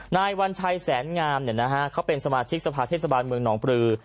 นายวัญชัยแสนงามเขาเป็นสมาชิกสภาเทศบาลเมืองหนองปลือ